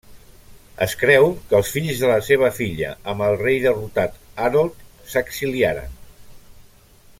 Es creu que els fills de la seva filla amb el rei derrotat Harold s'exiliaren.